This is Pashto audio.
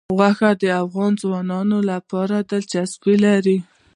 غوښې د افغان ځوانانو لپاره دلچسپي لري.